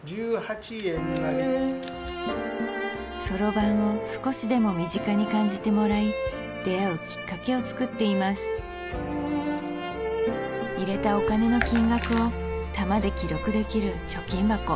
１８円なりそろばんを少しでも身近に感じてもらい出会うきっかけを作っています入れたお金の金額を珠で記録できる貯金箱